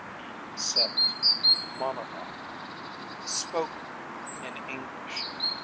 HE SAID IT MONOLOGUE Spoken. In English.